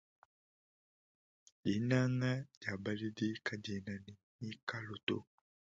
Dinanga dia baledi kadiena ne mikalu to.